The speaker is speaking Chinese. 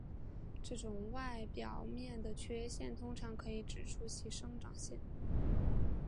这种外表面的缺陷通常可以指出其生长线。